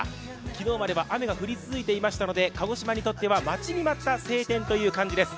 昨日までは雨が降り続いていましたので鹿児島にとっては待ちに待った晴天という感じです。